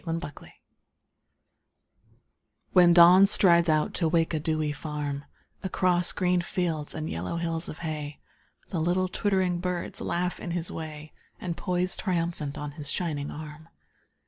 Alarm Clocks When Dawn strides out to wake a dewy farm Across green fields and yellow hills of hay The little twittering birds laugh in his way And poise triumphant on his shining arm.